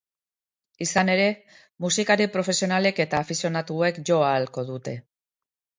Izan ere, musikari profesionalek eta afizionatuek jo ahalko dute.